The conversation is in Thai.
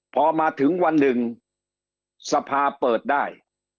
พอมาถึงวันหนึ่งสภาเปิดได้